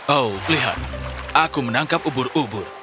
oh lihat aku menangkap ubur ubur